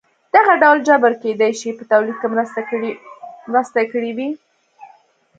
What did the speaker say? دغه ډول جبر کېدای شي په تولید کې مرسته کړې وي.